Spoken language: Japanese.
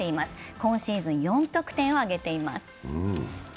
今シーズン４得点を挙げています。